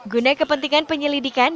guna kepentingan penyelidikan